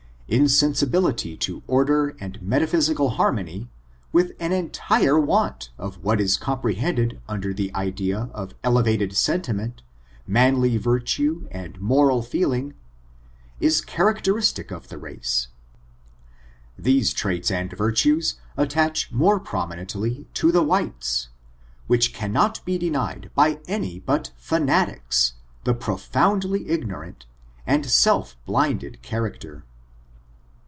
Insensibility to order and met aphysical harmony, with an entire want of what is comprehended under the idea of elevated sentiment, manly virtue and moral feeling, is characteristic of the race ; these traits and virtues attach mo^ prom inently to the whites, which cannot be denied by any ^^^%^>^>^»^>^>^^>^i^^ ^^^^f^^^^^l^^^^k^^ FORTUNES, OF THE NEGRO RACE. 243 but fanaticsi the profoundly ignorant and self Uinded character.